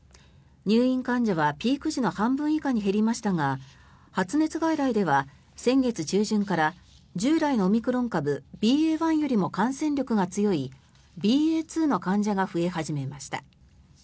入院患者はピーク時の半分以下に減りましたが発熱外来では先月中旬から従来のオミクロン株ＢＡ．１よりも感染力が強いＢＡ．２の患者が増え始めました。